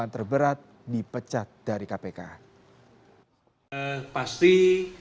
terberat dipecat dari kpk